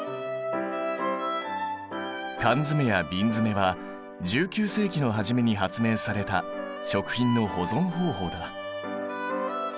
缶詰やびん詰は１９世紀の初めに発明された食品の保存方法だ。